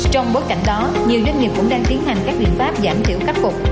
trong bối cảnh đó nhiều doanh nghiệp cũng đang tiến hành các biện pháp giảm thiểu khắc phục